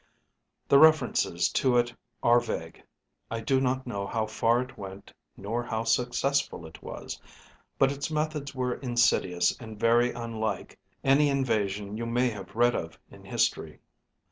The references to it are vague. I do not know how far it went nor how successful it was, but its methods were insidious and very unlike any invasion you may have read of in history.